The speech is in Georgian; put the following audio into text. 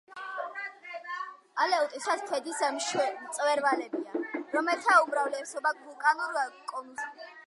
ალეუტის კუნძულები წყალქვეშა ქედის მწვერვალებია, რომელთა უმრავლესობა ვულკანურ კონუსებს წარმოადგენს.